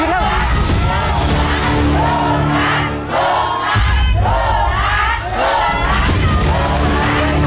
เหลือล้านไหม